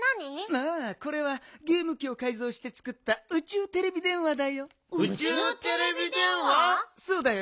ああこれはゲームきをかいぞうしてつくったうちゅうテレビでんわだよ。